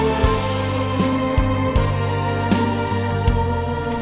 lu udah ngapain